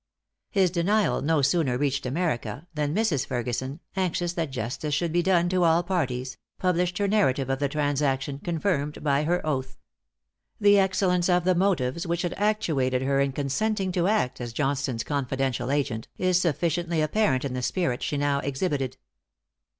His denial no sooner reached America, than Mrs. Ferguson, anxious that justice should be done to all parties, published her narrative of the transaction, confirmed by her oath. The excellence of the motives which had actuated her in consenting to act as Johnstone's confidential agent, is sufficiently apparent in the spirit she now exhibited.